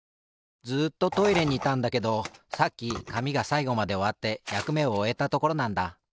ずっとトイレにいたんだけどさっきかみがさいごまでおわってやくめをおえたところなんだ。